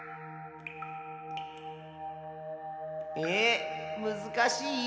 えむずかしい？